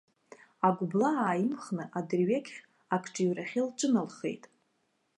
Агәыблаа ааимхны, адырҩегьх агҿыҩрахьы лҿыналхеит.